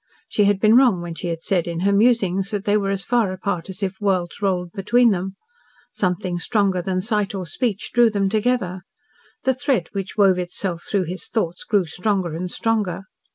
She had been wrong when she had said in her musings that they were as far apart as if worlds rolled between them. Something stronger than sight or speech drew them together. The thread which wove itself through his thoughts grew stronger and stronger.